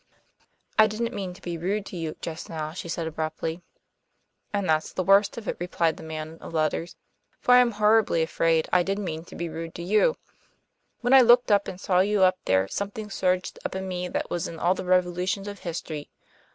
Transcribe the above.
"I didn't mean to be rude to you just now," she said abruptly. "And that's the worst of it," replied the man of letters, "for I'm horribly afraid I did mean to be rude to you. When I looked up and saw you up there something surged up in me that was in all the revolutions of history.